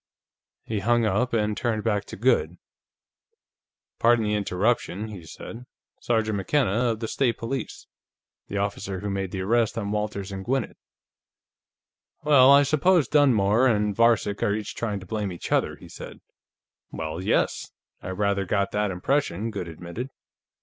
He hung up and turned back to Goode. "Pardon the interruption," he said. "Sergeant McKenna, of the State Police. The officer who made the arrest on Walters and Gwinnett. Well, I suppose Dunmore and Varcek are each trying to blame the other," he said. "Well, yes; I rather got that impression," Goode admitted.